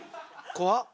怖っ！